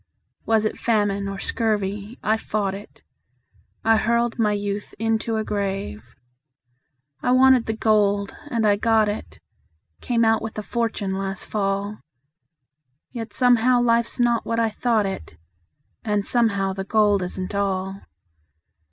Was it famine or scurvy I fought it; I hurled my youth into a grave. I wanted the gold, and I got it Came out with a fortune last fall, Yet somehow life's not what I thought it, And somehow the gold isn't all.